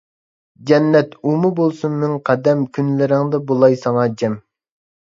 جەننەت ئۇمۇ بولسا مىڭ قەدەم، كۈنلىرىڭدە بولاي ساڭا جەم.